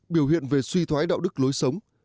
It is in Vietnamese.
biểu hiện về suy thoái đạo đức lối sống